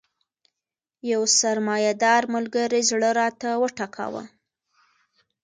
یو سرمایه دار ملګري زړه راته وټکاوه.